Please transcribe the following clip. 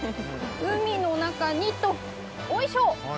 海の中によいしょ。